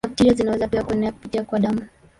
Bakteria zinaweza pia kuenea kupitia kwa damu.